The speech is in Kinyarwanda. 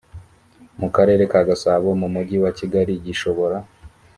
mu karere ka gasabo mu mugi wa kigali gishobora